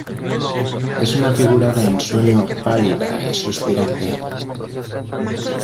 es una figura de ensueño pálida y suspirante,